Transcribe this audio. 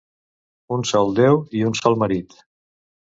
Un sol Déu i un sol marit.